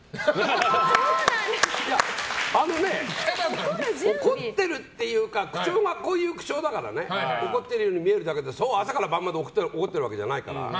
あのね、怒ってるっていうか口調がこういう口調だから怒っているように見えるだけでそう、朝から晩まで怒ってるわけじゃないから。